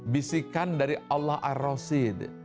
bisikan dari allah ar rasi